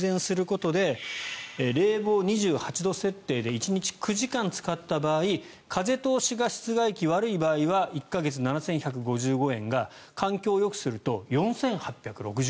ことで冷房２８度設定で１日９時間使った場合風通し、室外機悪い場合は１か月、７１５５円が環境をよくすると４８６０円。